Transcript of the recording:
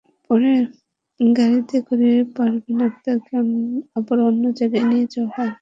পরে গাড়িতে করে পারভীন আক্তারকে আবার অন্য জায়গায় নিয়ে যাওয়া হয়।